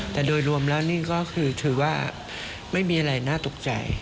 แต่โดยรวมแล้วนี่ก็คือถือว่าไม่มีอะไรน่าตกใจ